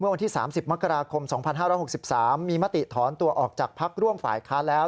วันที่๓๐มกราคม๒๕๖๓มีมติถอนตัวออกจากพักร่วมฝ่ายค้านแล้ว